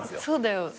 そうだよ。